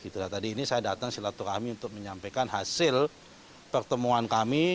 tadi ini saya datang silaturahmi untuk menyampaikan hasil pertemuan kami